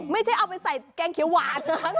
ไม่ใช่เอาไปใส่แกงเขียวหวาน